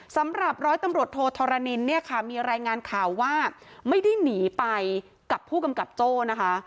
สำหรับร้อยตำรวจโทธรณินเนี่ยค่ะมีรายงานข่าวว่าไม่ได้หนีไปกับผู้กำกับโจ้นะคะ